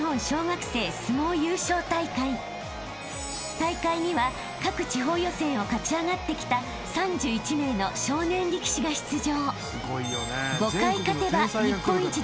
［大会には各地方予選を勝ち上がってきた３１名の少年力士が出場］